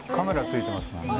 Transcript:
付いてますもんね